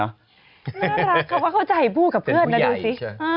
น่ารักเขาก็เข้าใจพูดกับเพื่อนนะดูสิ